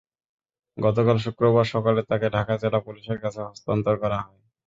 গতকাল শুক্রবার সকালে তাঁকে ঢাকা জেলা পুলিশের কাছে হস্তান্তর করা হয়।